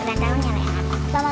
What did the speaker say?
ulang tahunnya rena